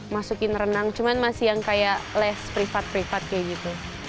masukin renang cuman masih yang kayak les privat privat kayak gitu